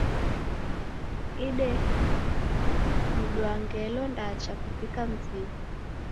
Idemdwa ngelo ndacha kuvika mzinyi.